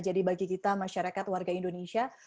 jadi bagi kita masyarakat warga indonesia